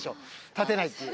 立てないっていう。